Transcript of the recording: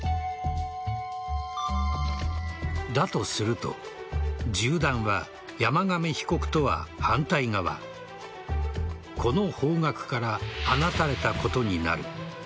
だとすると銃弾は山上被告とは反対側この方角から放たれたことになる。